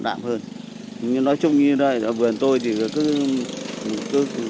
đồng tiền đỗ quyền